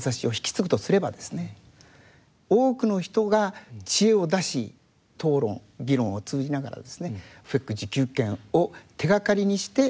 多くの人が知恵を出し討論議論を通じながらですねＦＥＣ自給圏を手がかりにして未来社会を築いていく。